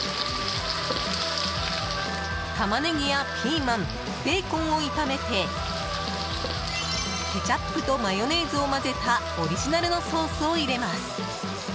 タマネギやピーマンベーコンを炒めてケチャップとマヨネーズを混ぜたオリジナルのソースを入れます。